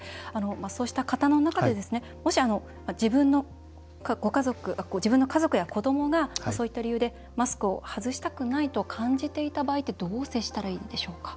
そうした方の中でもし自分の家族や子どもがそういった理由でマスクを外したくないと感じていた場合ってどう接したらいいんでしょうか？